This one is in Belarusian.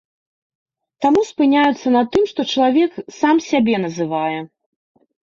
Таму спыняюцца на тым, што чалавек сам сябе называе.